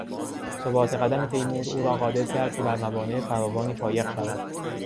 ثبات قدم تیمور او را قادر کرد که بر موانع فراوانی فایق شود.